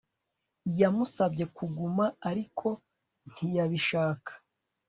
Yamusabye kuguma ariko ntiyabishaka